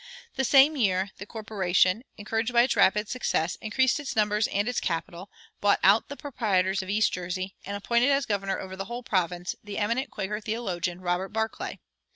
The same year the corporation, encouraged by its rapid success, increased its numbers and its capital, bought out the proprietors of East Jersey, and appointed as governor over the whole province the eminent Quaker theologian, Robert Barclay.